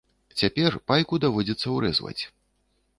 Цяпер пайку даводзіцца ўрэзваць.